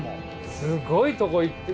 すごいとこ行って。